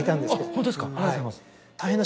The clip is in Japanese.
ホントですかありがとうございます。